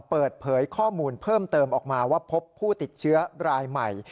เปิดเผยข้อมูลเพิ่มเติมออกมาว่าพบผู้ติดเชื้อรายใหม่